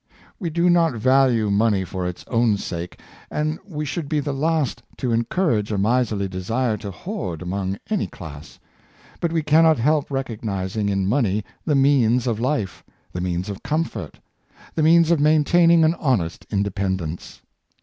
We do not value money for its own sake, and we should be the last to encourage a miserly desire to hoard among any class; but we cannot help recogniz ing in money the means of life, the means of comfort, the means of maintaining an honest independence.